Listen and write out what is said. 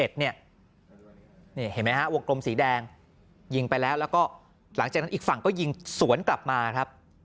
เห็นไหมฮะวงกลมสีแดงยิงไปแล้วแล้วก็หลังจากนั้นอีกฝั่งก็ยิงสวนกลับมาครับ